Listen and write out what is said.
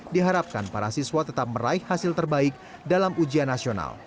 diharapkan para siswa tetap meraih hasil terbaik dalam ujian nasional